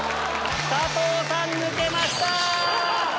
佐藤さん抜けました！